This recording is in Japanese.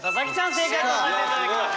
正解とさせて頂きます。